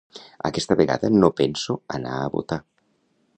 Aquesta vegada no penso anar a votar.